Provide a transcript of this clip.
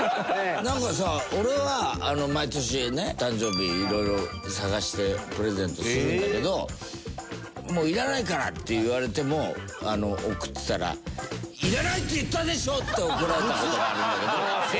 なんかさ俺は毎年ね誕生日色々探してプレゼントするんだけど「もういらないから」って言われても贈ってたら「いらないって言ったでしょ」って怒られた事があるんだけど。